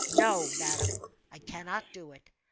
No, madame, I cannot do it.